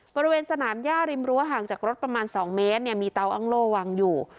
บริเวณสนามย่าริมรั้วห่างจากรถประมาณ๒เมตรมีเตาอ้างโล่วางอยู่